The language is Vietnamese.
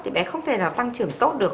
thì bé không thể nào tăng trưởng tốt được